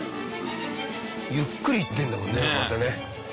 ゆっくり行ってるんだもんねまたね。